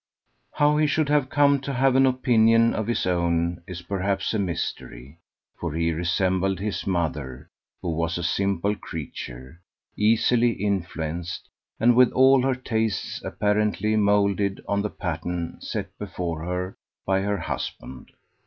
How he should have come to have any opinion of his own is perhaps a mystery, for he resembled his mother, who was a simple creature, easily influenced, and with all her tastes apparently moulded on the pattern set before her by her husband.